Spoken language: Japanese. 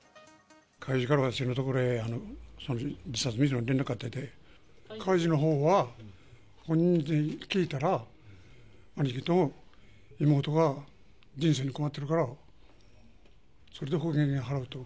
海自から私のところへ自殺未遂の連絡があって、海自のほうは、本人に聞いたら、兄貴と妹が人生に困ってるから、それで保険金払うと。